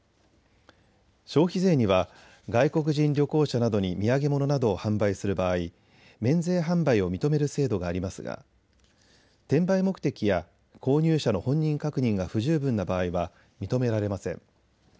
消費税には外国人旅行者などに土産物などを販売する場合、免税販売を認める制度がありますが、転売目的や購入者の本人確認が不十分な場合は認められません。